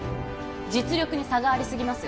実力に差がありすぎます